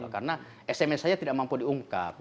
karena sms saya tidak mampu diungkap